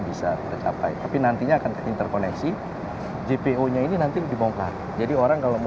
bisa tercapai tapi nantinya akan interkoneksi jpo nya ini nanti dibongkar jadi orang kalau mau